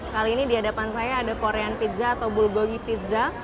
kali ini di hadapan saya ada korean pizza atau bulgogi pizza